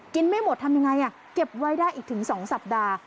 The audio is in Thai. ไม่หมดทำยังไงเก็บไว้ได้อีกถึง๒สัปดาห์